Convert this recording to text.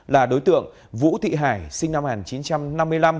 là đối tượng vũ thị hải sinh năm một nghìn chín trăm năm mươi năm